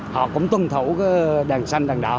họ cũng tuân thủ đèn xanh